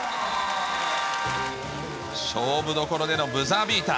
勝負所でのブザービーター。